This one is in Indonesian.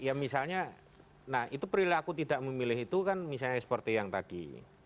ya misalnya nah itu perilaku tidak memilih itu kan misalnya seperti yang tadi